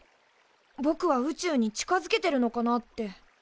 ぼくは宇宙に近づけてるのかなって。